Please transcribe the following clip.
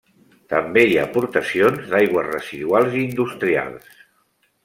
També hi ha aportacions d'aigües residuals i industrials.